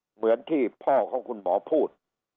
เหมือนที่พ่อของคุณหมอพูด